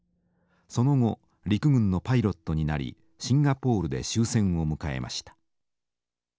その後陸軍のパイロットになりシンガポールで終戦を迎えました。